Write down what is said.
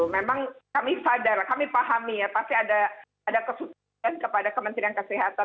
memang kami sadar kami pahami ya pasti ada kesulitan kepada kementerian kesehatan